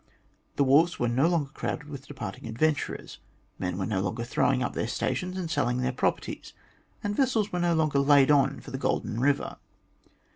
The wharves were no longer crowded with departing adventurers; men were no longer throwing up their situations and selling their pro perties, and vessels were no longer laid on for the golden river.